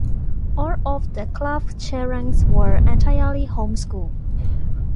All of the Clerke children were entirely home schooled.